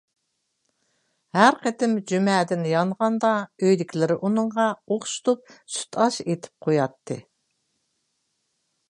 ھەر قېتىم جۈمەدىن يانغاندا ئۆيدىكىلىرى ئۇنىڭغا ئوخشىتىپ سۈتئاش ئېتىپ قوياتتى.